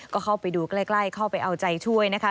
ก็เข้าไปดูใกล้เข้าไปเอาใจช่วยนะคะ